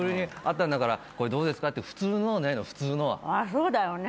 そうだよね。